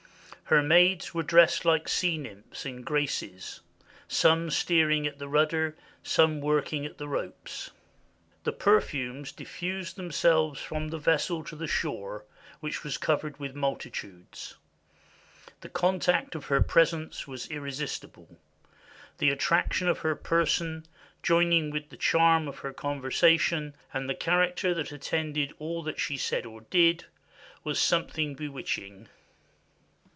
Her maids were dressed like Sea Nymphs and Graces, some steering at the rudder, some working at the ropes. The perfumes diffused themselves from the vessel to the shore, which was covered with multitudes. ... The contact of her presence was irresistible. The attraction of her person, joining with the charm of her conversation and the character that attended all that she said or did, was something bewitch ing.